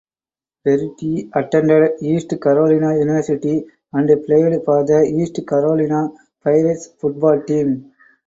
Verity attended East Carolina University and played for the East Carolina Pirates football team.